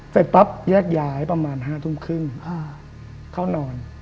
เสร็จปั๊บแยกย้ายประมาณ๕ทุ่มครึ่งเข้านอน